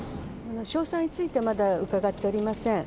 詳細についてまだ伺っておりません。